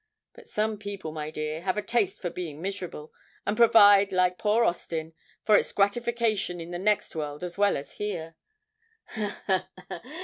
But some people, my dear, have a taste for being miserable, and provide, like poor Austin, for its gratification in the next world as well as here. Ha, ha, ha!